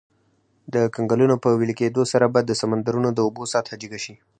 د کنګلونو په ویلي کیدو سره به د سمندرونو د اوبو سطحه جګه شي.